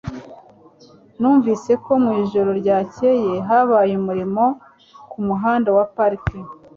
Numvise ko mu ijoro ryakeye habaye umuriro ku muhanda wa Park